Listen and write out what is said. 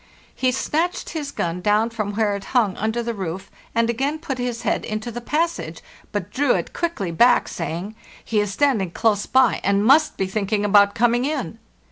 He snatched his gun down from where it hung under the roof and again put his head into the passage, but drew it quickly back, saying, 'He is standing close by, and must be thinking about coming in.